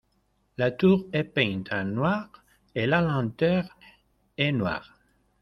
La tour est peinte en noir et la lanterne est noire.